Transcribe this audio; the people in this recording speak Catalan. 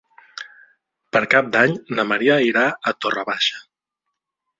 Per Cap d'Any na Maria irà a Torre Baixa.